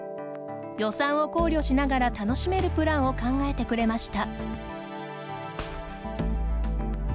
予算を考慮しながら楽しめるプランを考えてくれました。